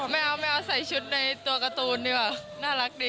ไม่เอาไม่เอาใส่ชุดในตัวการ์ตูนดีกว่าน่ารักดี